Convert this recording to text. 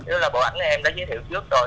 thế là bộ ảnh này em đã giới thiệu trước rồi